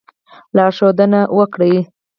لارښودنه وکړي.